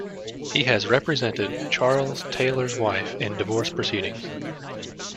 He has represented Charles Taylor's wife in divorce proceedings.